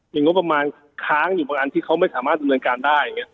อย่างก็ประมาณข้างอยู่ที่เขาไม่สามารถดูแลการได้